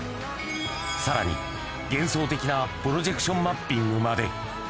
さらに幻想的なプロジェクションマッピングまで。